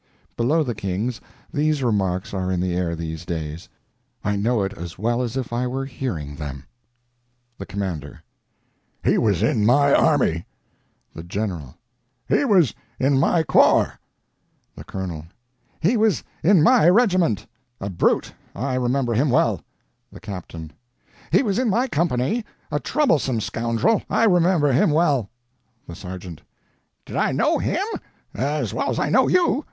Below the kings, these remarks are in the air these days; I know it as well as if I were hearing them: THE COMMANDER: "He was in my army." THE GENERAL: "He was in my corps." THE COLONEL: "He was in my regiment. A brute. I remember him well." THE CAPTAIN: "He was in my company. A troublesome scoundrel. I remember him well." THE SERGEANT: "Did I know him? As well as I know you.